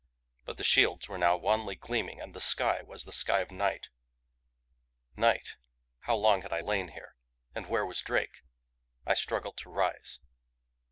But the shields were now wanly gleaming and the sky was the sky of night. Night? How long had I lain here? And where was Drake? I struggled to rise.